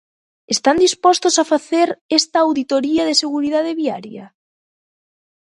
¿Están dispostos a facer esta auditoría de seguridade viaria?